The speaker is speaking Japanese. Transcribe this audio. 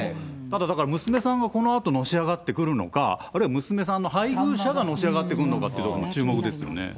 ただ、だから娘さんがこのあと、のし上がってくるのか、あるいは娘さんの配偶者がのし上がってくるのかっていうのも注目ですよね。